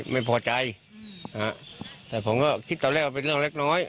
ไม่พอใจนะฮะแต่ผมก็คิดตอนแรกว่าเป็นเรื่องเล็กน้อย